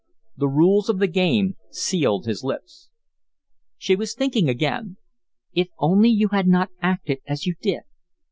The rules of the game sealed his lips. She was thinking again, "If only you had not acted as you did."